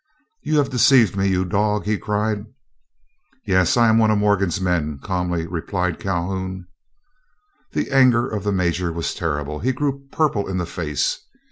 "You have deceived me, you dog!" he cried. "Yes, I am one of Morgan's men," calmly replied Calhoun. The anger of the major was terrible. He grew purple in the face.